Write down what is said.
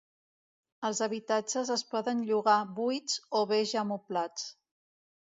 Els habitatges es poden llogar buits o bé ja moblats.